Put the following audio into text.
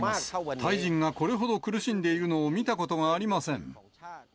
タイ人がこれほど苦しんでいるのを見たことがありません。